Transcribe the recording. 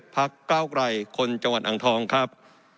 พักเก้าไกลคนจังหวัดอ่างทองครับ